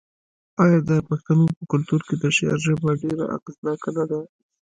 آیا د پښتنو په کلتور کې د شعر ژبه ډیره اغیزناکه نه ده؟